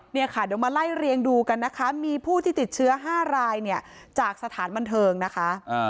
เนี่ยค่ะเดี๋ยวมาไล่เรียงดูกันนะคะมีผู้ที่ติดเชื้อ๕รายเนี่ยจากสถานบันเทิงนะคะ